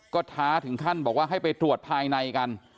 ก็ท้าถึงขั้นบอกว่าให้ไปตรวจภายในกัน